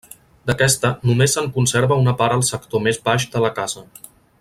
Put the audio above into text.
D'aquesta només se'n conserva una part al sector més baix de la casa.